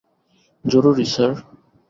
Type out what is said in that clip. জরুরী, স্যার।